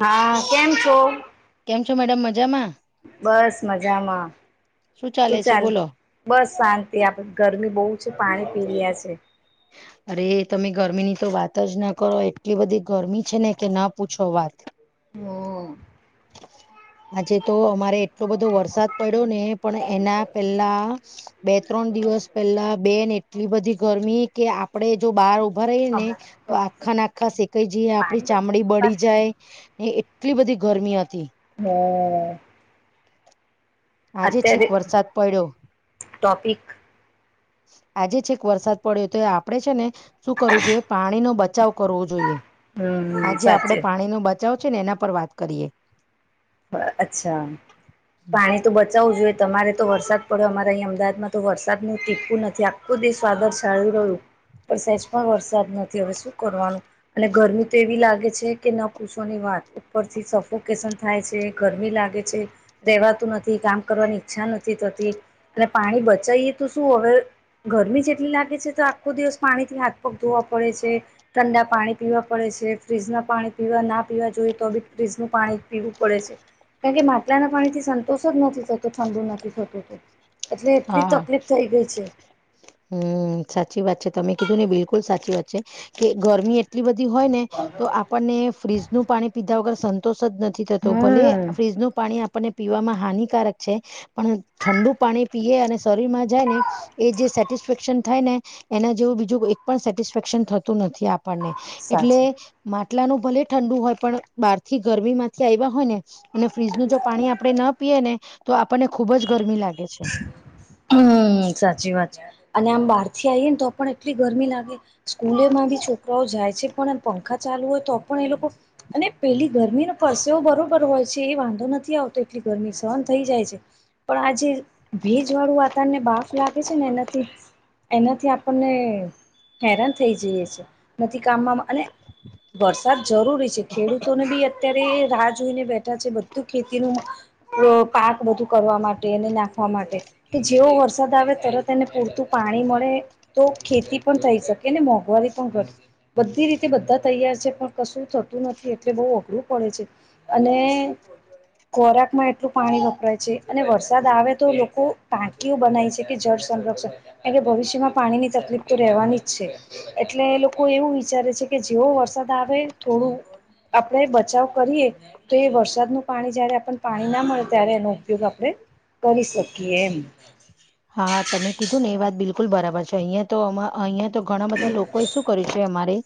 હા કેમ છો? કેમ છો મેડમ મજામાં બસ મજામાં શું ચાલે તું છે ચાલ બોલો બસ શાંતિ આપડ ગરમી બહુ છે પાણી પી રહ્યા છે. અરે તમે ગરમી ની તો વાત જ ના કરો એટલી બધી ગરમી છે ને કે ના પૂછો વાત. [inaudible] આજે તો અમારે એટલો બધો વરસાદ પડ્યો ને પણ એના પહેલા બે ત્રણ દિવસ પહેલા બેન એટલી બધી ગરમી કે આપ આપડે જો બહાર ઊભા રહીએ ને હમણાં તો ટોપિક પર આખા ને વાત આખા કરી શેકાઈ જઈએ પાણી આપડી બચાવ ચામડી પર વાત બળી કરી જાય. ને એટલી બધી ગરમી હતી. હમ આજે છેક અત્યારે વરસાદ પડ્યો ટોપિક આજે છેક વરસાદ પડ્યો તો આપડે છે ને શું કરવું જોઈએ પાણીનો બચાવ. કરવું જોઈએ હમ આજે આપડે સાચે પાણી નો બચાવ છે ને એના પર વાત કરીએ. હા અચ્છા. પાણી તો બચાવવું જોઈએ તમારે તો વરસાદ પડ્યો અમારે અહીંયા અમદાવાદમાં તો વરસાદ નું ટીપું નથી ખુદ એ સ્વાદર છાળી રહ્યું, પણ સહેજ પણ વરસાદ નથી હવે શું કરવાનું. અને ગરમી તો એવી લાગે છે કે ના પૂછવાની વાત ઉપર થી સફોકેશન. થાય છે, ગરમી લાગે છે, રેવાતું નથી, કામ કરવાની ઈચ્છા નથી થતી. અને પાણી બચાઇએ તો શું હવે ગરમી જ એટલી લાગે છે તો આખો દિવસ પાણીથી હાથ પગ ધોવા પડે છે. ઠંડા પાણી પીવા પડે છે. ફ્રીજ ના પાણી પીવા ના પીવા જોઈએ તો બી ફ્રીજનું પાણી પીવું પડે છે, કારણ કે માટલાના પાણી થી સંતોષ જ નથી થતો ઠંડુ નથી થતો. એટલે એટલી હા તકલીફ થઈ ગઈ છે. હમ સાચી વાત છે, તમે કીધું ને બિલકુલ સાચી વાત છે. કે ગરમી એટલી બધી હોય ને તો આપણને ફ્રીજનું પાણી પીધા વગર સન્ત સંતોષ જ નથી થતો ભલે હમ ફ્રીજ નું પાણી આપણને પીવામાં હાનિકારક છે પણ ઠંડુ પાણી પીએ અને શરીરમાં જાય ને. એ જે સેટિસફેક્શન થાય ને એના જેવું બીજું એક પણ સેટિસફેક્શન થતું નથી આપણને. એટલે સાચું માટલાનું ભલે ઠંડુ હોય પણ બહાર થી ગરમી માંથી આવ્યા હોય ને અને ફ્રીજનું જો પાણી આપણે ન પીએ ને તો આપણને ખુબ જ ગરમી લાગે છે. હમ સાચી વાત છે અને આમ બહાર થી આઈએ ને તો પણ એટલી ગરમી લાગે. સ્કૂલેમાં બી છોકરાઓ જાય છે પણ એમ પંખા ચાલુ હોય તો પણ એ લોકો. અને પેલી ગરમીનો પરસેવો બરોબર હોય છે એ વાંધો નથી આવતો એટલી ગરમી સહન થઈ જાય છે. પણ આજે ભેજ વાળું વાતાવરણને બાફ લાગે છે ને એનાથી. એનાથી આપણને હેરાન થઈ જઈએ છે. નથી કામમાં અને વરસાદ જરૂરી છે ખેડૂતોને બી અત્યારે. તે રાહ જોઈને બેઠા છે બધું ખેતીનું પાક બધું કરવા માટે અને ના. વા માટે કે જેવો વરસાદ આવે તરત એને પૂરતું પાણી મળે તો ખેતી પણ થઈ શકે ને મોંઘવારી પણ ઘટ. બધી રીતે બધા તૈયાર છે પણ કશું થતું નથી એટલે બહુ અઘરું પડે છે. અને ખોરાક માં એટલું પાણી વપરાય છે અને વરસાદ આવે તો લોકો ટાંકીઓ બનાયી છે કે જળ સંરક્ષણ એટલે ભવિષ્યમાં પાણી ની તકલીફ તો રહેવાની જ છે. એટલે લોકો એવું વિચારે છે, કે જેવ વરસાદ આવે થોડું આપણેે બચાવ કરીએ તો એ વરસાદનું પાણી જયારે આપને પાણી ના મળે ત્યારે એનો ઉપયોગ આપણે કરી શકીએ એમ. હા તમે કીધું ને એ વાત બિલકુલ બરાબર છે. અહીયાંયા તો અ અહીયાં તો ઘણા બધા લોકો એ શું કર્યું છે અમારે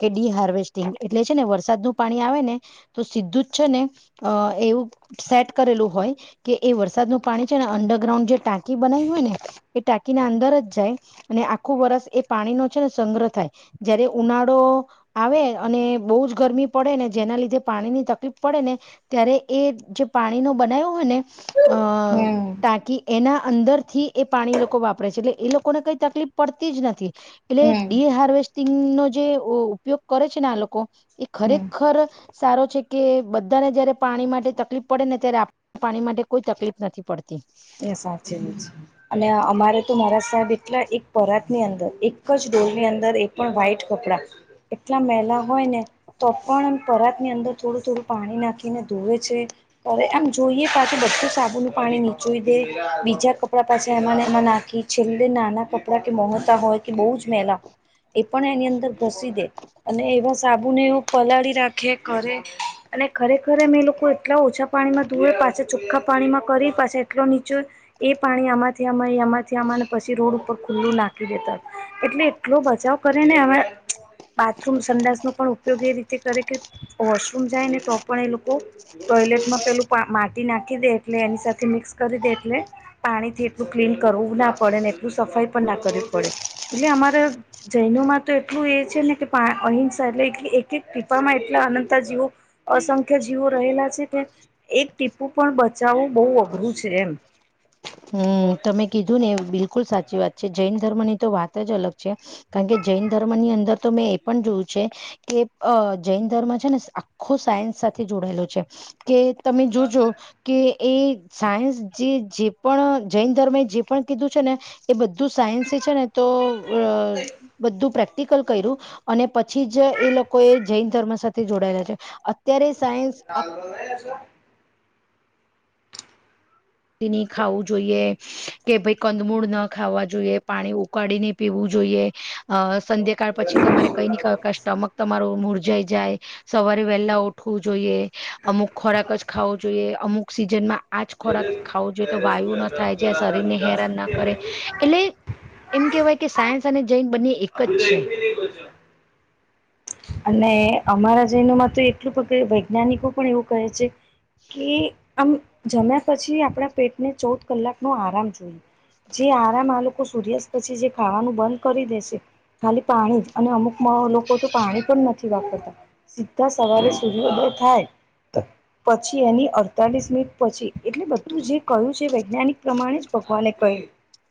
કે ડીહાર્વેસ્ટિંગ એટલે છે ને વરસાદનું પાણી આવે ને તો સીધું જ છે ને. અ એવું સેટ કરેલું હોય કે એ વરસાદનું પાણી છે ને અંડરગ્રાઉન્ડ જે ટાંકી, બનાયું હોય ને એ ટાંકી ના અંદર જ જાય અને આખું વરસ એ પાણીનો છે ને સંગ્રહ થાય. જયારે ઉનાળો આવે અને બહુ જ ગરમી પડે ને જેના લીધે પાણી ની તકલીફ પડે ને. ત્યારે એ જે પાણી નો બનાવ્યો હોય ને અ હમ ટાકી એના અંદર થી એ પાણી લોકો વાપરે છે એટલે એ લોકોને કઈ તકલીફ પડતી જ નથી એટલે હમ ડી હાર્વેસ્ટિંગ નો જે અ ઉપયોગ કરે છે ને આ લોકો એ હમ ખરેખર સારો છે કે બધાને જયારે પાણી માટે તકલીફ પડે ને ત્યારે આપ પાણી માટે કોઈ તકલીફ નથી પડતી. એ સાબ ચી છે અને અમારે તો મારા સાહેબ એટલા એક પરાત ની અંદર એક જ ડોલની અંદર એક પણ વ્હાઈટ કપડાં એટલા મેલા હોય ને તો પણ પરાત ની અંદર થોડું થોડું પાણી નાખીને ધોવે છે. એમ જોઈએ પાછું બધું સાબુનું પાણી ની બીજા કપડાં પાછા એમાંને એમાં નાખી છેલ્લે નાના કપડાં કે મોઘતા હોય કે બહુ જ મહેલા એ પણ એની અંદર ઘસી દે અને એવા સા બૂ ને એવું પલાળી રાખે કરે અને ખરેખર મે એ લોકો એટલા ઓછા પાણીમાં ધુવે પાછા ચોખ્ખા પાણીમાં કરી પાછે આટલો નીચો એ પાણી આમાંથી આમાંમાંથી આમાંને પછી રોડ ઉપર ખુલ્લું નાખી દેતા. એટલે એટલો બચાવ કરી ને અમે બાથરૂમ સંડાસનો પણ ઉપયોગ એ રીતે કરે કે વોશરૂમ જાય ને તો પણ એ લોકો ટોયલેટમાં પેલું માટી નાખી દે એટલે એની સાથે મિક્સ કરી દે એટલે પાણી થી એટલું ક્લીન કરવું ના પડે ને એટલું સફાઈ પણ ના કરવી પડે. એટલે અમાર જૈનોમાં તો એટલું એ છે ને અહિંસા એટલે એક એક પીપામાં એટલા અનતાજીવો અસંખ્ય જીવો રહેલા છે કે એક ટીપુ પણ બચાવવું બહુ અઘરું છે એમ. હમ્મ તમે કીધું ને એ બિલકુલ સાચી વાત છે જૈન ધર્મની તો વાત જ અલગ છે. કારણ કે જૈન ધર્મ ની અંદર તો મેં એ પણ જોયું છે. કે અ જૈન ધર્મ છે ને આખો સાયન્સ સાથે જોડાયેલો છે કે તમે જોજો કે એ સાયન્સ જે જે પણ જૈન ધર્મે એ જે પણ કીધું છે ને એ બધ ધુ સાયન્સ છે ને તો બધું પ્રેક્ટ કલ કર્યું અને પછી જ એ લોકો એ જૈન ધર્મ સાથે જોડાયેલા છે. અત્યારે સાયન્સ [inaudible] એની ખાવું જોઈએ કે ભાઈ કંદમૂળ ના ખાવા જોઈએ, પાણી ઉકાળને પીવું જોઈએ. અ સંધ્યકાળ પછી તમારે કઈ નહી ક કે સ્ટમક તમારું મૂળજાઈ જાય. સવારે વહેલા ઉઠવું જોઈએ, અમુક ખોરાક જ ખાવો જોઈએ, અમુક સિઝનમાં આજ ખોરાક ખાવો જોઈએ, તો વાયુ ના થાય જે શરીરને હેરાન ના કરે. એટલે એમ કહેવાય કે સાયન્સ અને જૈન બંને એક જ બધા છે એકી નઈ બચો. અને અમારા જૈનોમાં તો એટલું પગ વૈજ્ઞાનિકો પણ એવું કહે છે કે આમ જમ્યા પછી આપણા પેટને ચૌદ કલાક નો આરામ જોઈએ. જે આરામ આ લોકો સૂર્યાસ્ત પછી જે ખાવાનું બંધ કરી દે છે. ખાલી પાણી જ અને અમુક લોકો તો પાણી પણ નથી વાપરતા. સીધા સવારે સૂર્યોદય થાય પછી એની અડતાલીસ મિનિટ પછી એટલે બધું જે કહ્યું છે વૈજ્ઞાનિક પ્રમાણે જ ભગવાને કહ્યું.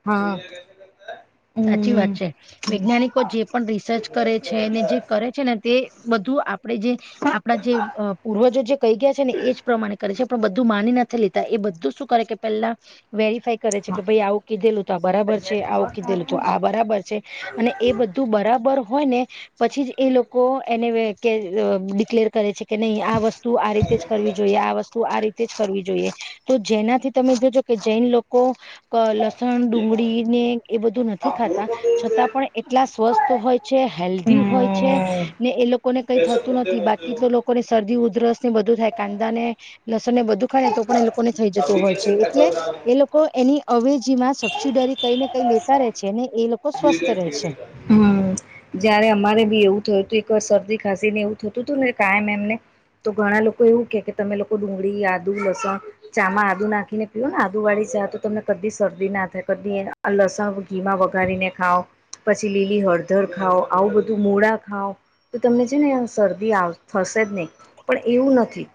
હા. સાચી વાત હમ છે. વૈજ્ઞાનિકો જે પણ રિસર્ચ કરે છેને જે કરે છે ને તે બધું આપ ડે જે આપણા જે પૂર્વજો જે કહી ગયા છે ને એજ પ્રમાણે કરે છે. પણ બધું માની નથી લેતા. એ બધું શું કરે કે પેલા વેરી ફાઇ કરે છે હા કે ભાઈ આવું કીધેલું તો આ બરાબર છે, તૈયારી કર આવું કીધેલું તો તારે આ બરાબર છે અને એ બધું બરાબર હોય ને પછી જ એ લોકો એને અ ડિકલેર કરે છે. કે નહી આ વસ્તુ આ રીતે જ કરવી જોઈએ, આ વસ્તુ આ રીતે તે જ કરવી જોઈએ. તો જેનાથી તમે જોજો કે જૈન લોકો લસણ, ડુંગળી ને એ બધું નથી ખાતા, છતાં પણ એટલા સ્વસ્થ હોય છે, હેલ્ધી હોય છે હમ ને એ લોકોને કઈ થતું નથી. બાકી તો લોકો લોકોની શરદી ઉધરસ ને બધું થાય કાંદા ને લસણ ને બધું ખાય ને તો પણ કો ને થઈ જતું હોય છે એટલે એ લોકો લોકો એની અવેજીમાં સબસીડરી કઈ ને કઈ લેતા ર રહે છે ને એ લોકો સ્વસ્થ રહે છે હમ્મ જયારે અમારે બી એવું થયું હતું એક વાર શરદી ખાસી ને એવું થતું હતું ને કાયમ એમને તો ઘણા લોકો એવું કે કે તમે લોકો ડુંગળી આદુ લસણ ચામાં આદુ નાખીને પીય ને આદુ વાળી ચા તો તમને કદી શરદી ના થાય કદી લસણ ઘી મા વગાર ઉકારીને ખાાવ પછી લીલી હળદર ખાઓ આવું બધું મૂળા ખાઓ તો તમને છે ને શરદી થશે જ નહીં પણ એવું નથી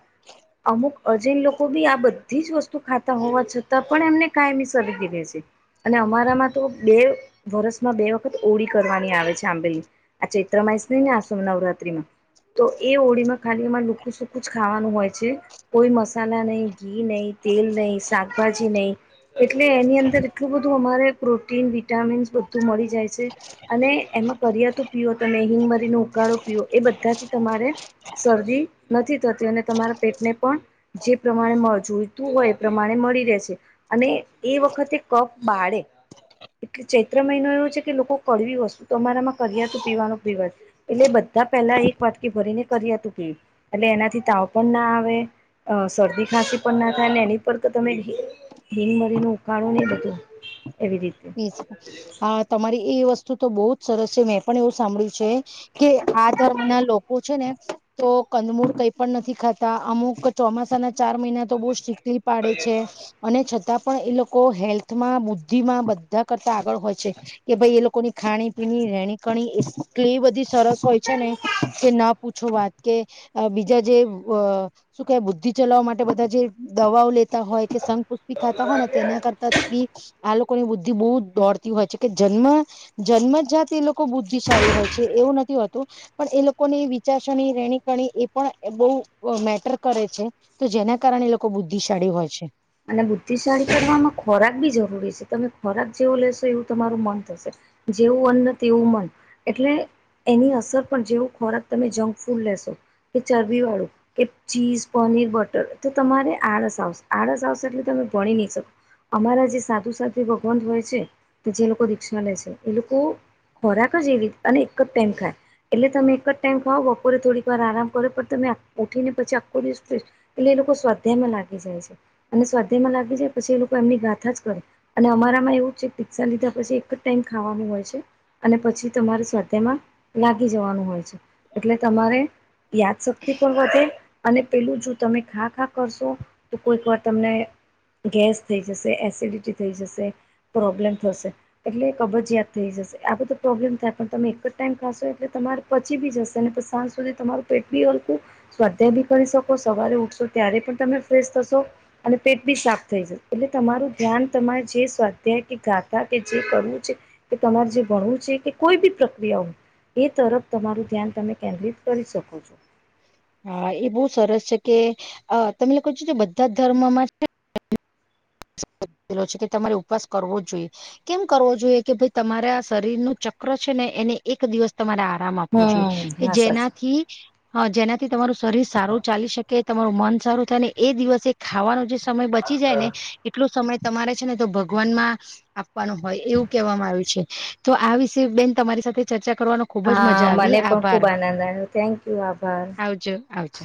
અમુક અજૈન લોકો બી આ બધી જ વસ્તુ ખાતા હોવા છતાં પણ એમને કાયમી સરીદી રે છે અને અમારામાં તો બે વરસમાં બે વખત ઓળી કરવાની આવે છે આંબેલ આ ચૈત્ર માસ ને આસોમ નવરાત્રીમાં તો એ ઓળીમાં ખાલી એમાં લુકું સુખું જ ખાવાનું હોય છે કોઈ મસાલા નહી ઘી નહીં તેલ નહી શાકભાજી નહી એટલે એની અંદર એટલું બધું અમારે પ્રોટીન વિટામીનસ બધું મળી જાય છે અને એમાં કરિયાતુ પીઓ તમે હિંગમરીનો ઉકાળો પીઓ એ બધાથી તમારે શરદી નથી થતી અને તમારા પેટને પણ જે પ્રમાણે જોઈતું હોય એ પ્રમાણે મળી રહેશે અને એ વખતે કફ બાળે એટલે ચૈત્ર મહિનો એવો છે કે લોકો કડવી વસ્તુ તો અમારા મા કડિયાતું પીવાનો પ્રિવ એટલે બધા પેલા એક વાટકી ભરીને કરીયા તુ પે એટલે એનાથી તાવ પણ ના આવે અ શરદી ખાંસી પણ ના થાય ને એની પર તો તમે બિનમરી નો ઉકાળો નહ બધું એવી રીતે હા તમારી એ વસ્તુ તો બહુ જ સરસ છે મેં પણ એવું સાંભળ્યું છે કે આ ધર્મ ના લોકો છે ને તો કંદમૂળ કઈ પણ નથી ખાતા અમુક ચોમાસાના ચાર મહિના તો બહુ સ્ટીકલી લી પાડે છે અને છતાં પણ એ લોકો હેલ્થમાં બુદ્ધિમાં બ બધા કરતા આગળ હોય છે કે ભાઈ એ લોકોની ખાણી પીણી રણી કણી એ એટલી બધી સરસ હોય છે ને કે ના પૂછ પૂછો વાત કે બીજા જે શું કે બુદ્ધિ ચલાવવા માટે બધા જે દવાઓ લે લેતા હોય કે સંઘ પુષ્પી ખાતા હોય ને તેના કરતા બી આ લોકોની બુદ્ધ બુદ્ધિ બહુ દોડતી હોય છે કે જન્મ જન્મ જ જાત એ લોકો બુદ્ધિશાળી હોય છે એવું નથી હોતું પણ એ લોકોની વિચારસરણી રેણી કરણી એ પણ બહુ મેટર કરે છે તો જેના કારણે એ લોકો બુદ્ધિશાળી હોય છે અને બુદ્ધિશાળી કરવામાં ખોરાક બી જરૂરી છે તમે ખોરાક જેવું લેશો એવું તમારું મન થશે જેવું અન્ન એવું મન એટલે એની અસર પણ જેવું ખોરાક તમે જંક ફૂડ લેશો કે ચરબી વાળું કે ચીઝ પનીર બટર તો તમારે આળસ આવશે આળસ આવશે એટલે તમે ભણી નહી શકો અમારા જે સાધુ સાથી ભગવાન હોય છે તો જે લોકો દીક્ષા લે છે એ લોકો ખોરાક જ એવી અને એક જ ટેમ ખાય એટલે તમે એક જ ટાઈમ ખાાવ બપોરે થોડીક વાર આરામ કરો પણ તમે ઉઠી ને પછી આખો દિવસ એટલે એ લોકો સ્વાધ્યાયમાં લાગી જાય છે અને સ્વાધ્યામાં લાગી જાય પછી એ લોકો એમની ગાથા જ કરે અને અમારામાં એવું છે દીક્ષા લીધા પછી એક જ ટાઈમ ખાવાનું હોય છે અને પછી તમારે સ્વાધ્યમાં લાગી જવાનું હોય છે એટલે તમારે યાદશક્તિ પણ વધે અને પેલું જો તમે ખા ખા કરશો તો કોઈક વાત તમને ગેસ થઈ જશે એસિડિટી થઈ જશે પ્રોબ્લેમ થશે એટલે કબજયાત થઈ જશે આ બધો પ્રોબ્લેમ થાય પણ તમે એક જ ટાઈમ ખાશો એટલે તમારે પચી બી જશે ને સાંજ સુધી તમારું પેટ બી હલકું સ્વાધ્યાય બી કરી શકો સવારે ઉઠશો ત્યારે પણ તમે ફ્રેશ થશો અને પેટ બી સાફ થઈ જશે એટલે તમારું ધ્યાન તમારે જે સ્વાધ્યાય કે ગાથા કે જે કરવું છે કે તમારે જે ભણવું છે કે કોઈ બી પ્રક્રિયાઓ એ તરફ તમારું ધ્યાન તમે કેન્દ્રિત કરી શકો છો હા એ બહુ સરસ છે કે તમે ક છો બધા જ ધર્મમાં છે છે કે તમારે ઉપવાસ કરવો જોઈએ કેમ કરવો જોઈએ કે ભાઈ તમારે આ શરીર નું ચક્ર છે ને એની એક દિવસ તમારે આરામ આપવો જોઈએ હમ કે હા સર જેનાથી હા જેનાથી તમારું શરીર સારું ચાલી શકે તમારું મન સારું થાય ને એ દિવસે ખાવાનું જે સમય બચી જાય ને એટલો સમય તમારે છે ને તો ભગવાનમાં આપવાનું હોય એવું કહેવામાં આવ્યું છે તો આ વિશે બેન તમારી સાથે ચર્ચા કરવાનો ખુબજ હા મજા આવી મને પણ આભાર ખુબ આનંદ આવ્યો થેન્ક યુ આભાર આવજો આવજો